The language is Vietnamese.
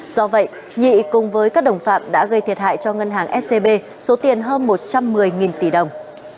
do vậy nhị cùng với các đồng phạm đã gây thiệt hại cho ngân hàng scb số tiền hơn một trăm một mươi tỷ đồng